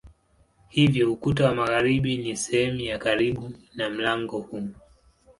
Hivyo ukuta wa magharibi ni sehemu ya karibu na mlango huu.